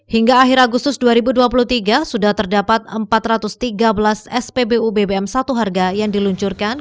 hingga akhir agustus dua ribu dua puluh tiga sudah terdapat empat ratus tiga belas spbu bbm satu harga yang diluncurkan